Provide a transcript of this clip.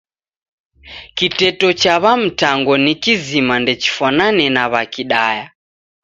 Kiteto cha W'aMtango ni kizima ndechifwanane na W'aKidaya.